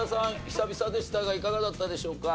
久々でしたがいかがだったでしょうか？